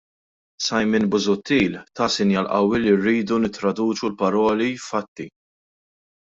Simon Busuttil ta sinjal qawwi li rridu nittraduċu l-paroli f'fatti.